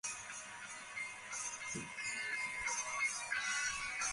যে সত্য অন্তর থেকে বাইরেকে সৃষ্টি করে তোলে আমি সেই সত্যের দীক্ষা নিয়েছি।